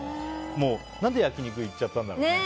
何で焼き肉に行っちゃったんだろう。